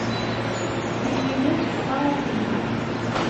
Ad ak-yini wwḍeɣ asigna.